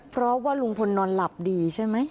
เพราะว่าลุงพลนอนหลับดีใช่ไหม